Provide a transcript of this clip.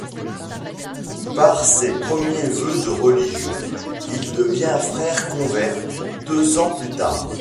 Par ses premiers voeux de religion il devient frère convers, deux ans plus tard.